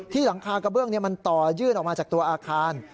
หลังคากระเบื้องมันต่อยื่นออกมาจากตัวอาคาร